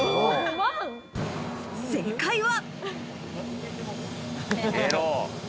正解は。